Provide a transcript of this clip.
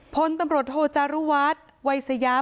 พลตำรวจโทจารุวัฒน์วัยสยา